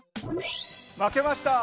負けました。